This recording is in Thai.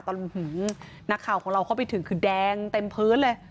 นักข่าวของเราเข้าไปถึงคือแดงเต็มพื้นเลย